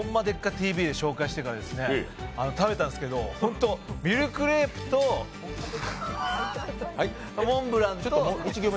ＴＶ」で紹介してから食べたんですがホント、ミルクレープとモンブラン。